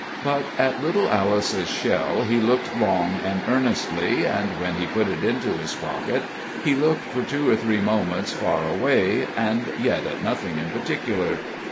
But at little Alice's shell he looked long and earnestly, and when he put it into his pocket he looked for two or three moments far away, and yet at nothing in particular.